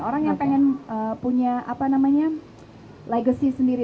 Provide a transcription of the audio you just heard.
orang yang pengen punya legacy sendiri